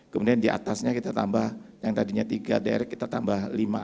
kemudian di atasnya kita tambah yang tadinya tiga direct kita tambah lima